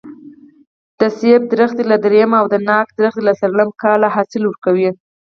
د مڼې ونې له درېیم او د ناک ونې له څلورم کال حاصل ورکوي.